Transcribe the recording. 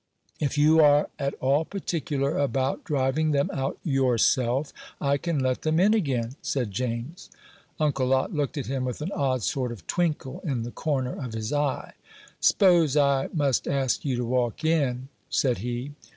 "If you are at all particular about driving them out yourself, I can let them in again," said James. Uncle Lot looked at him with an odd sort of twinkle in the corner of his eye. "'Spose I must ask you to walk in," said he.